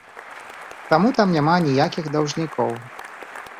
Таму там няма ніякіх даўжнікоў.